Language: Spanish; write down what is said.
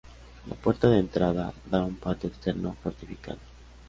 La puerta de entrada da a un patio externo fortificado.